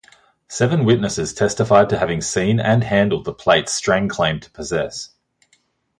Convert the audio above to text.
Seven witnesses testified to having seen and handled the plates Strang claimed to possess.